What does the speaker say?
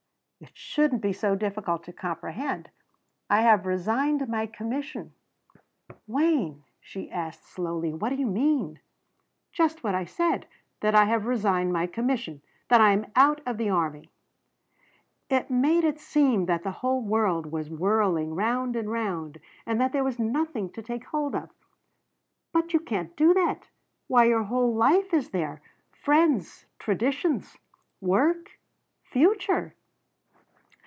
"It shouldn't be so difficult to comprehend. I have resigned my commission." "Wayne," she asked slowly, "what do you mean?" "Just what I say. That I have resigned my commission. That I am out of the army." It made it seem that the whole world was whirling round and round and that there was nothing to take hold of. "But you can't do that. Why your whole life is there friends traditions work future."